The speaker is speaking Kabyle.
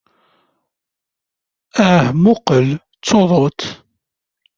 Ah, mmuqqel, d tuḍut!